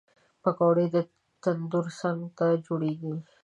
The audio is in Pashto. پکورې د تندور څنګ ته جوړېږي